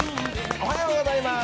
おはようございます。